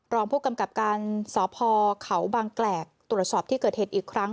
รองผู้กำกับการสพเขาบางแกรกตรวจสอบที่เกิดเหตุอีกครั้ง